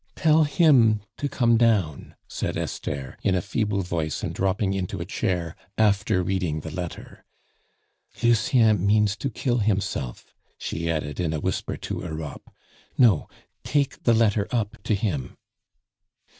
"Tell him to come down," said Esther, in a feeble voice and dropping into a chair after reading the letter. "Lucien means to kill himself," she added in a whisper to Europe. "No, take the letter up to him."